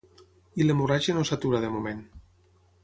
I l’hemorràgia no s’atura de moment.